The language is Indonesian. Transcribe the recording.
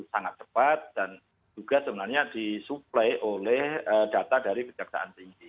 sangat cepat dan juga sebenarnya disuplai oleh data dari kejaksaan tinggi